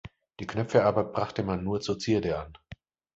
Die Knöpfe aber brachte man nur zur Zierde an.